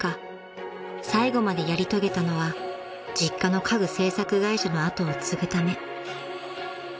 最後までやり遂げたのは実家の家具製作会社の後を継ぐため］